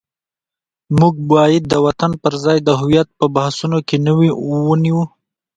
موږ باید د وطن پر ځای د هویت په بحثونو کې نه ونیو.